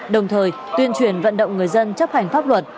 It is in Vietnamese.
đồng thời tuyên truyền vận động người dân chấp hành pháp luật